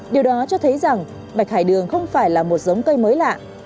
điều đó cho thấy rằng bạch hải đường không phải là một giống cây mới lạ